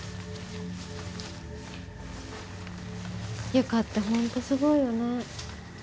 由佳ってホントすごいよね。